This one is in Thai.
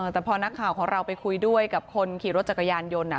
แต่พอนักข่าวของเราไปคุยด้วยกับคนขี่รถจักรยานยนต์